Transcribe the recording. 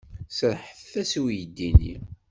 Serrḥet-as i uydi-nni.